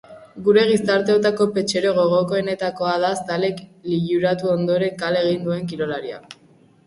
Gure gizarteotako petxero gogokoenetakoa da zaleak liluratu ondoren kale egiten duen kirolaria.